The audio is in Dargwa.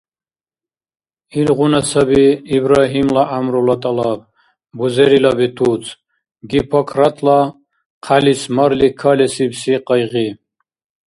Илгъуна саби Ибрагьимла гӀямрула тӀалаб, бузерила бетуц, Гиппократла хъялис марли калес ибси къайгъи.